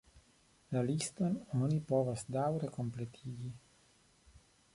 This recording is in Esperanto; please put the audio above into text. La liston oni povas daŭre kompletigi.